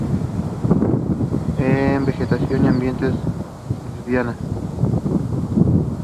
Es vegetariana y abiertamente lesbiana.